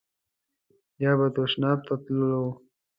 یا به تشناب ته تللو.